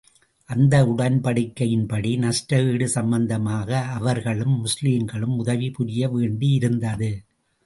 அந்த உடன்படிக்கையின் படி, நஷ்டஈடு சம்பந்தமாக அவர்களும், முஸ்லிம்களுக்கு உதவி புரிய வேண்டியிருந்தது.